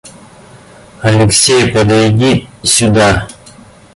Алексей, подойди сюда.